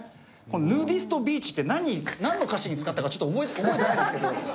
「ヌーディストビーチ」ってなんの歌詞に使ったかちょっと覚えてないんですけど。